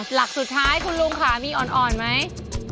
หลักสุดท้ายคุณลุงค่ะมีอ่อนไหม